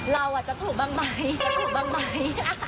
เราอ่ะจะถูกบ้างมั้ยจะถูกบ้างมั้ย